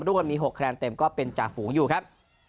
้วนมี๖คะแนนเต็มก็เป็นจ่าฝูงอยู่ครับ